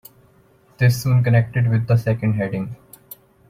This soon connected with the second heading.